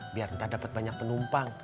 biar entah dapat banyak penumpang